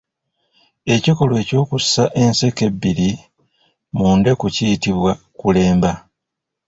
Ekikolwa ekyokussa enseke ebbiri mu ndeku kiyitibwa kulemba.